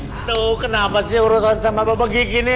aduh kenapa sih urusan sama bebeg ini